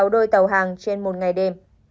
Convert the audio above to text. một mươi sáu đôi tàu hàng trên một ngày đêm